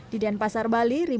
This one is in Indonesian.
di denpasar bali